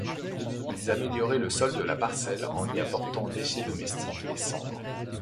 Ils amélioraient le sol de la parcelle en y apportant déchets domestiques et cendres.